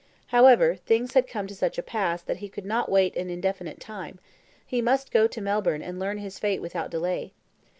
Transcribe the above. However, things had come to such a pass that he could not wait an indefinite time; he must go to Melbourne and learn his fate without delay.